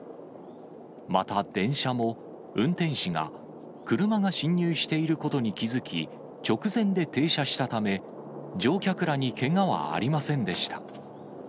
また、電車も運転士が、車が進入していることに気付き、直前で停車したため、乗客らにけがはありませんでした。